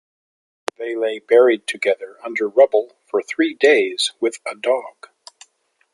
They lay buried together under rubble for three days with a dog.